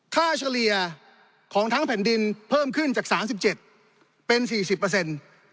ค่าเฉลี่ยของทั้งแผ่นดินเพิ่มขึ้นจาก๓๗เป็น๔๐